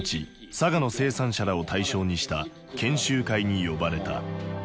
佐賀の生産者らを対象にした研修会に呼ばれた。